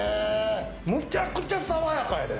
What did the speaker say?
むちゃくちゃ爽やかやで。